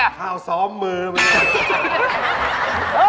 ออกทำซอมโมโง